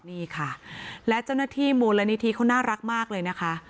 นี่ค่ะและเจ้าหน้าที่มูลนิธิเขาน่ารักมากเลยนะคะ